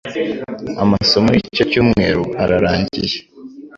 Amasomo y icyo cyumweru ararangiye